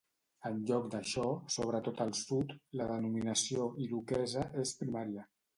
En lloc d'això, sobretot al Sud, la denominació 'iroquesa' és primària.